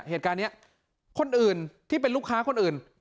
เหตุการณ์นี้คนอื่นที่เป็นลูกค้าคนอื่น